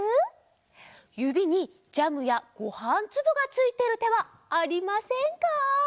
ゆびにジャムやごはんつぶがついてるてはありませんか？